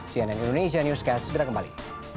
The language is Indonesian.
cnn indonesia newscast segera kembali